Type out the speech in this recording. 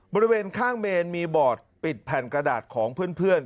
บริเวณข้างเมนมีบอร์ดปิดแผ่นกระดาษของเพื่อน